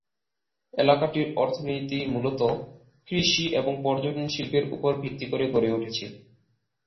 এলাকাটির অর্থনীতি মূলতঃ কৃষি এবং পর্যটন শিল্পের উপর ভিত্তি করে গড়ে উঠেছে।